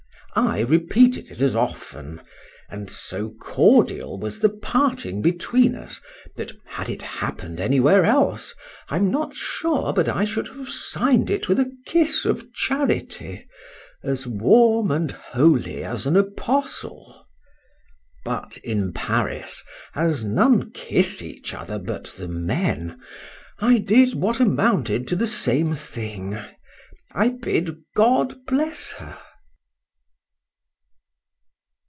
—I repeated it as often; and so cordial was the parting between us, that had it happened any where else, I'm not sure but I should have signed it with a kiss of charity, as warm and holy as an apostle. But in Paris, as none kiss each other but the men,—I did, what amounted to the same thing— —I bid God bless her.